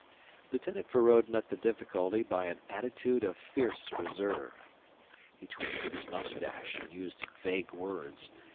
Lieutenant Feraud met the difficulty by an attitude of fierce reserve. He twisted his moustache and used vague words.